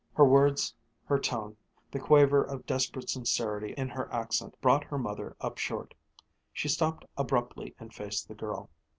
Her words, her tone, the quaver of desperate sincerity in her accent, brought her mother up short. She stopped abruptly and faced the girl.